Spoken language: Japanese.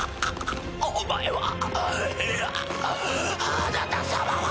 お前はいやあなた様は！